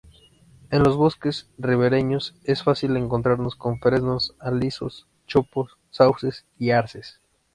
En los bosques ribereños es fácil encontrarnos con fresnos, alisos, chopos, sauces y arces.